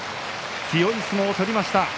強い相撲を取りました。